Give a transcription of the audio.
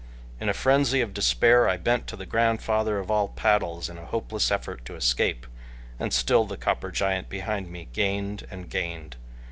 In a frenzy of despair, I bent to the grandfather of all paddles in a hopeless effort to escape, and still the copper giant behind me gained and gained.